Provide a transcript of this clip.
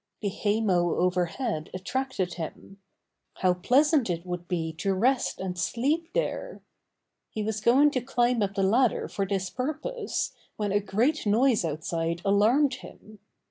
The hay mow overhead attracted him. How pleasant it would be to rest and sleep there! He was going to climb up the ladder for this purpose when a great noise outside alarmed him.